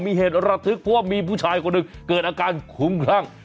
มีเหตุระทึกเพราะว่ามีผู้ชายคนหนึ่งเกิดอาการคุ้มคลั่ง